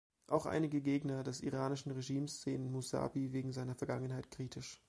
Auch einige Gegner des iranischen Regimes sehen Mussawi wegen seiner Vergangenheit kritisch.